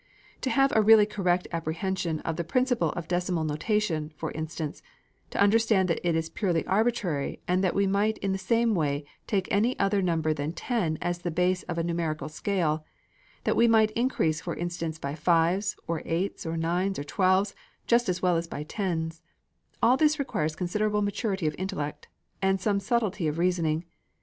To have a really correct apprehension of the principle of decimal notation, for instance, to understand that it is purely arbitrary, and that we might in the same way take any other number than ten as the base of a numerical scale, that we might increase for instance by fives, or eights, or nines, or twelves, just as well as by tens all this requires considerable maturity of intellect, and some subtlety of reasoning.